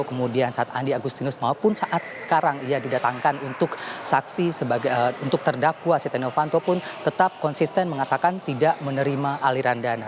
kemudian saat andi agustinus maupun saat sekarang ia didatangkan untuk saksi sebagai untuk terdakwa setia novanto pun tetap konsisten mengatakan tidak menerima aliran dana